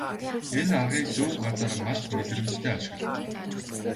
Энэ аргыг зөв газар маш мэдрэмжтэй ашигла.